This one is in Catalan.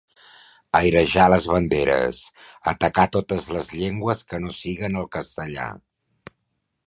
Airejar les banderes, atacar totes les llengües que no siguen el castellà.